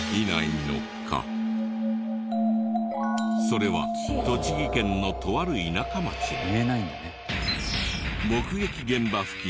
それは栃木県のとある田舎町に。